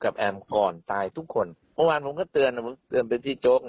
กับแอมก่อนตายทุกคนเมื่อวานผมก็เตือนไปที่โจ๊ก